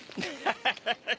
ハハハハ！